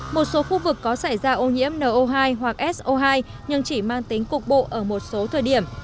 một số khu vực có xảy ra ô nhiễm no hai hoặc so hai nhưng chỉ mang tính cục bộ ở một số thời điểm